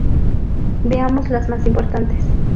Veamos las más importantes.